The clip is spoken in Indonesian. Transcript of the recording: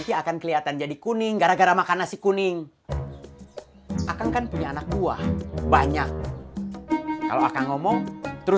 ini anda monyt